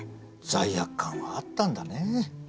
罪悪感はあったんだねえ。